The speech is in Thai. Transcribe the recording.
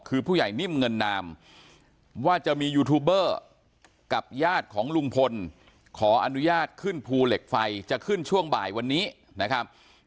คือผู้ใหญ่นิ่มเงินนามว่าจะมียูทูบเบอร์กับญาติของลุงพลขออนุญาตขึ้นภูเหล็กไฟจะขึ้นช่วงบ่ายวันนี้นะครับ